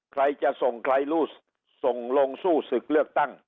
ใครจะส่งใครส่งลงสู้ศึกเลือกตั้ง